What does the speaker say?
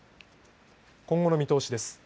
今後の見通しです。